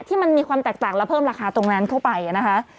ที่มันมีความแตกต่างและเพิ่มราคาตรงนั้นเข้าไปนะคะ